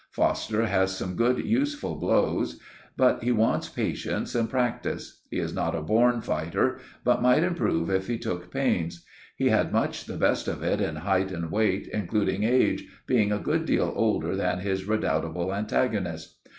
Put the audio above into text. Foster has some good useful blows, but he wants patience and practice. He is not a born fighter, but might improve if he took pains. He had much the best of it in height and weight, including age, being a good deal older than his redoubtable antagonist.